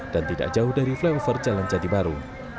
dan tidak jauh dari flyover jalan jati baru